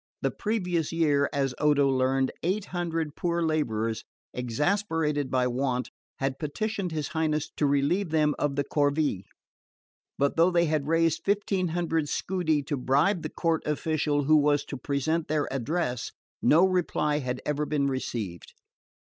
The previous year, as Odo learned, eight hundred poor labourers, exasperated by want, had petitioned his Highness to relieve them of the corvee; but though they had raised fifteen hundred scudi to bribe the court official who was to present their address, no reply had ever been received.